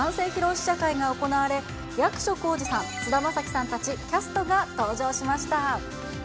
試写会が行われ、役所広司さん、菅田将暉さんたちキャストが登場しました。